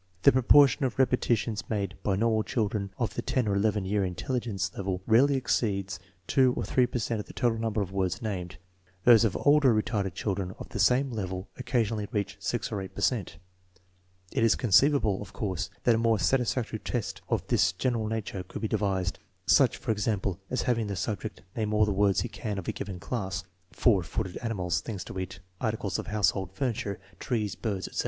The proportion of repetitions made by normal children of the 10 or 11 year intelligence level rarely exceeds 2 or 3 per cent of the total number of words named; those of older retarded children of the same level occasionally reach 6 or 8 per cent. It is conceivable, of course, that a more satisfactory test of this general nature could be devised; such, for example, as having the subject name all the words he can of a given class (four footed animals, things to eat, articles of household furniture, trees, birds, etc.).